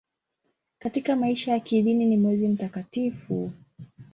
Katika maisha ya kidini ni mwezi mtakatifu.